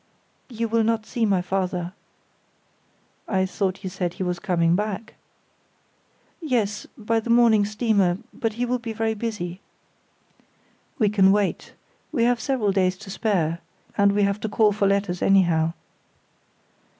"You will not see my father." "I thought you said he was coming back?" "Yes, by the morning steamer; but he will be very busy." "We can wait. We have several days to spare, and we have to call for letters anyhow."